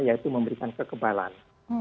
yaitu memberikan kekebalan